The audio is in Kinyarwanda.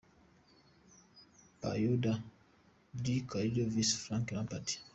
Paolo Di Canio Vs Frank Lampard.